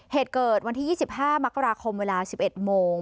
เหตุเกิดวันที่ยี่สิบห้ามกราคมเวลาสิบเอ็ดโมง